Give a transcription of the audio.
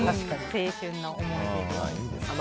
青春の思い出です。